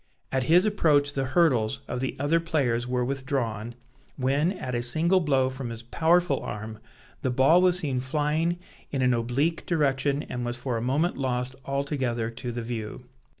At his approach the hurdles of the other players were withdrawn, when, at a single blow from his powerful arm, the ball was seen flying in an oblique direction and was for a moment lost altogether to the view.